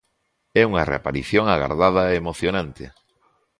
E unha reaparición agardada e emocionante.